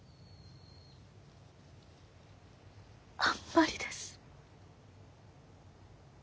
あんまりです。